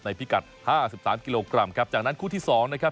พิกัดห้าสิบสามกิโลกรัมครับจากนั้นคู่ที่สองนะครับ